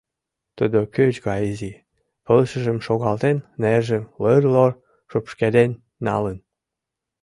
Тудо, кӱч гай изи пылышыжым шогалтен, нержым лыр-лор шупшкеден налын.